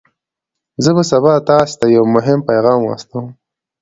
زه به سبا تاسي ته یو مهم پیغام واستوم.